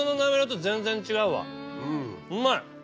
うまい。